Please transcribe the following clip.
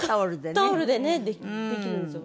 タオルでねできるんですよ。